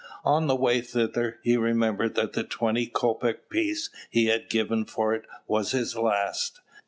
On the way thither, he remembered that the twenty kopek piece he had given for it was his last.